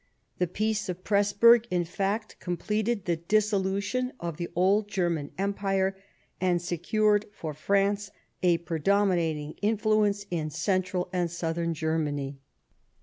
The Peace of Pressburg, in fact, completed the dissolution of the old German Empire, and secured for France a pre dominating influence in central and southern Germany.